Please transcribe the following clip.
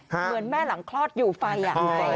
เหมือนแม่หลังคลอดอยู่ไฟ